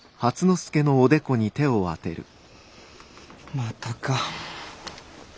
またか。